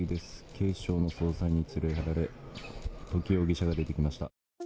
警視庁の捜査員に連れられ土岐容疑者が出てきました。